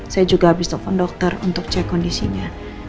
saya juga habis telepon dokter untuk cek kondisinya